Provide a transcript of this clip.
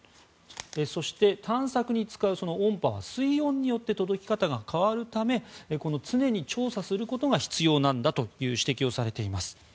そして、探索に使う音波は水温によって届き方が変わるため常に調査することが必要なんだという指摘をされています。